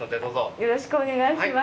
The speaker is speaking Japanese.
よろしくお願いします。